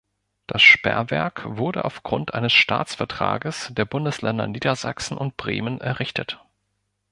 Das Sperrwerk wurde aufgrund eines Staatsvertrages der Bundesländer Niedersachsen und Bremen errichtet.